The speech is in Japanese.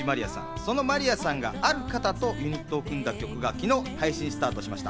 そのまりやさんがある方とユニットを組んだ曲が昨日配信スタートしました。